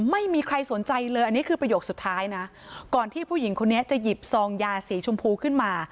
ไม่มีใครสนใจเลยอันนี้คือประโยคสุดท้ายนะก่อนที่ผู้หญิงคนนี้จะหยิบซองยาสีชมพูขึ้นมา